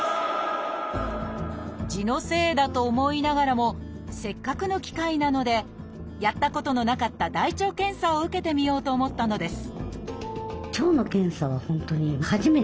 痔のせいだと思いながらもせっかくの機会なのでやったことのなかった大腸検査を受けてみようと思ったのです